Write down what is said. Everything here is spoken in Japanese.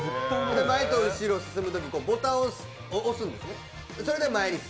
前と後ろ進むとき、ボタンを押すんですね。